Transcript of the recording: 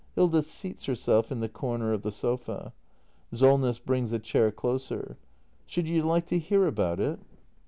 [Hilda seats herself in the corner of the sofa. Solness brings a chair closer.] Should you like to hear about it